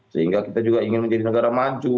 sehingga kita juga ingin menjadi negara maju